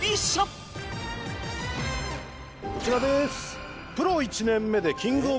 こちらです。